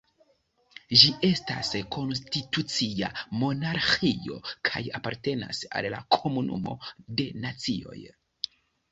Ĝi estas konstitucia monarĥio kaj apartenas al la Komunumo de Nacioj.